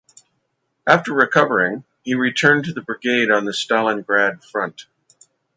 After recovering he returned to the brigade on the Stalingrad front.